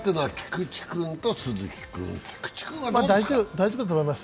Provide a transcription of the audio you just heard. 大丈夫だと思います。